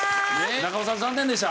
中尾さん残念でした。